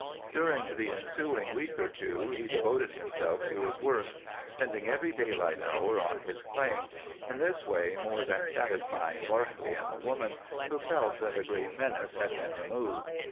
During the ensuing week or two he devoted himself to his work, spending every daylight hour on his claim, in this way more than satisfying Barclay and the woman, who felt that a great menace had been removed.